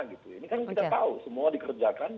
ini kan kita tahu semua dikerjakan